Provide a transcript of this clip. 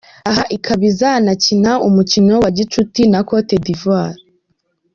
Aha ikaba izanakina umukino wa gicuti na Cote d’Ivoire.